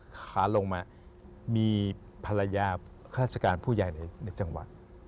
ค้าลงมามีภรรยาคลิปราสิการผู้ใหญ่ในจังหวะ